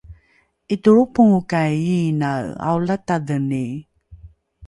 ’itolropongokai iinae aolatadheni?